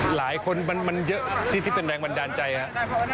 หลายคนมันเยอะที่เป็นแรงบันดาลใจครับ